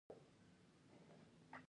د لنګوټې تړل د ښه شخصیت څرګندونه کوي